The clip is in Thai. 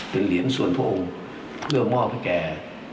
เป็นเหรียญส่วนพระองค์เพื่อมอบให้แก